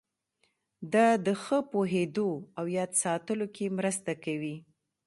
دا د ښه پوهېدو او یاد ساتلو کې مرسته کوي.